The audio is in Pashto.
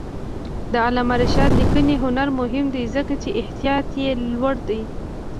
د علامه رشاد لیکنی هنر مهم دی ځکه چې احتیاط یې لوړ دی.